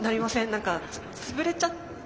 何か潰れちゃった。